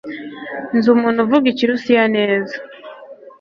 Nzi umuntu uvuga Ikirusiya neza.